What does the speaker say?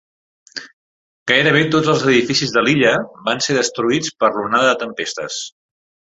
Gairebé tots els edificis de l'illa van ser destruïts per l'onada de tempestes.